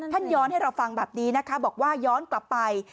ย้อนให้เราฟังแบบนี้นะคะบอกว่าย้อนกลับไป